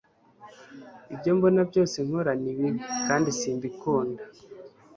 ibyo mbona byose nkora ni bibi kandi si mbikunda